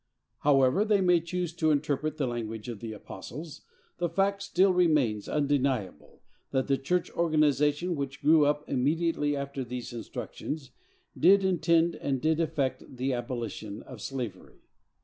However they may choose to interpret the language of the apostles, the fact still remains undeniable, that the church organization which grew up immediately after these instructions did intend and did effect the abolition of slavery.